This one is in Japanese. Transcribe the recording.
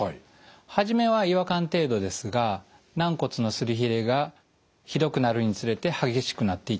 初めは違和感程度ですが軟骨のすり減りがひどくなるにつれて激しくなっていきます。